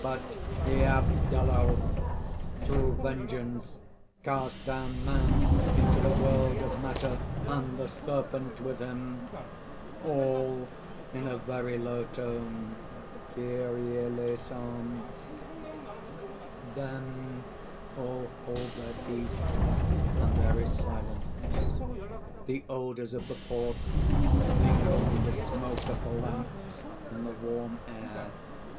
"But Iabdalaoth through vengeance cast down man into the world of matter, and the Serpent with him." ALL (in a very low tone): "Kyrie Eleison!" (Then all hold their peace, and there is silence. _The odors of the port mingle with the smoke of the lamps in the warm air.